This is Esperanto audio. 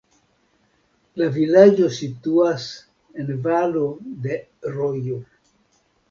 La vilaĝo situas en valo de rojo.